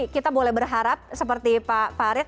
kita boleh berharap seperti pak farid